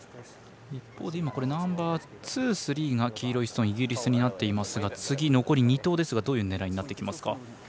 ナンバーツー、スリーがイギリスになっていますが次、残り２投ですがどういう狙いになってきますか。